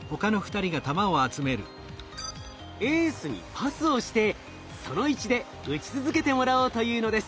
エースにパスをしてその位置で打ち続けてもらおうというのです。